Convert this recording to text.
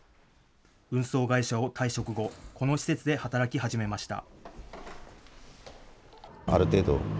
運送会社を退職後、この施設で働き始めました。